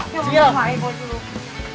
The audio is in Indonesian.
yuk mau ngomong aja dulu